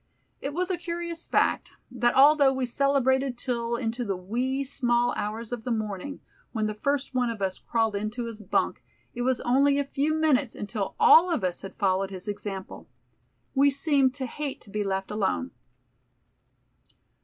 It was a curious fact, that although we celebrated till into the wee, small hours of the morning, when the first one of us crawled into his bunk it was only a few minutes until all of us had followed his example. We seemed to hate to be left alone.